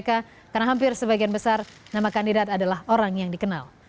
karena hampir sebagian besar nama kandidat adalah orang yang dikenal